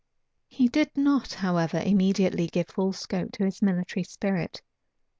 He did not, however, immediately give full scope to his military spirit.